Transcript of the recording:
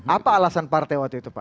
apa alasan partai waktu itu pak